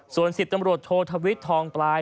ส่วนสิทธิ์ตำรวจโทษธวิทย์ทองปลาย